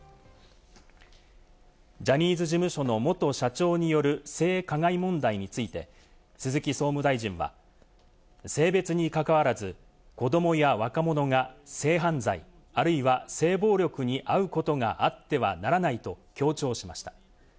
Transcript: ジャニーズ事務所の元社長による性加害問題について、鈴木総務大臣は、性別に関わらず、子どもや若者が性犯罪、あるいは性暴力に遭うことがあってはならないと強調しました。